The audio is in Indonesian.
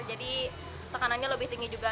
jadi tekanannya lebih tinggi juga